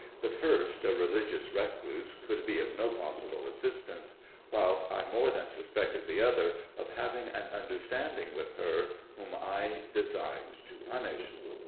The first, a religious recluse, could be of no possible assistance, whilst I more than suspected the other of having an understand ing with her whom I designed to punish.